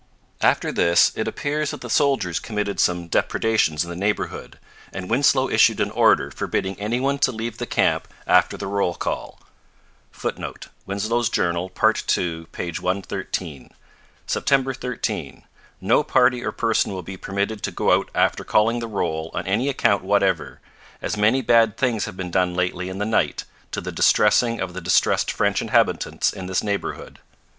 After this it appears that the soldiers committed some depredations in the neighbourhood, and Winslow issued an order forbidding any one to leave the camp after the roll call. [Footnote: Winslow's Journal, part ii, p. 113. 'September 13. No party or person will be permitted to go out after calling the roll on any account whatever, as many bad things have been done lately in the night, to the distressing of the distressed French inhabitants in this neighbourhood.'